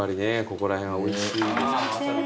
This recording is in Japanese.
ここら辺はおいしいですから。